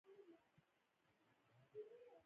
د بندر واکمن اوویل، جهاز په بندر کې لنګر انداز سو